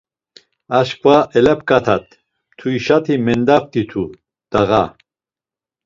Aşǩva elapǩatat, mtuişati mendaft̆itu dağa.